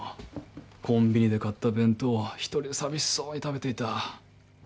コンビニで買った弁当を一人で寂しそうに食べていた。